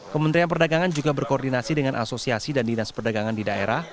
kementerian perdagangan juga berkoordinasi dengan asosiasi dan dinas perdagangan di daerah